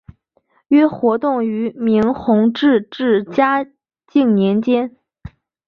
约活动于明弘治至嘉靖年间。